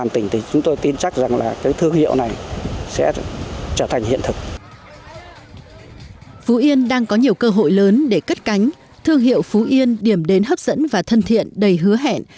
thương hiệu phụ yên điểm đến hấp dẫn và thân thiện đầy hứa hẹn